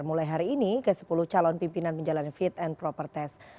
mulai hari ini ke sepuluh calon pimpinan menjalani fit and proper test